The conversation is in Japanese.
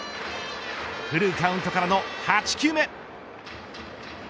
フルカウントからの８球目。